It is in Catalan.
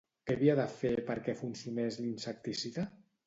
Què havia de fer perquè funcionés l'insecticida?